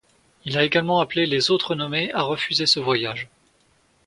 Il a également appelé les autres nommés à refuser ce voyage.